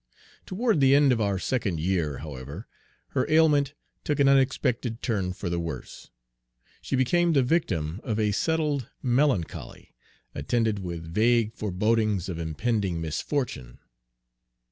Toward the end of our second year, however, 'her ailment took an unexpected turn for the worse. She became the victim of a settled melancholy, attended with vague forebodings of impending misfortune.